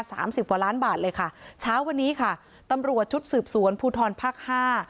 สิบกว่าล้านบาทเลยค่ะเช้าวันนี้ค่ะตำรวจชุดสืบสวนภูทรภาคห้า